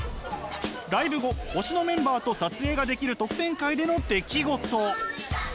ライブ後推しのメンバーと撮影ができる特典会での出来事。